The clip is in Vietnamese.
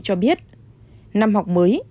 cho biết năm học mới